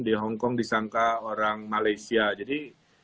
di hong kong disangka orang malaysia jadi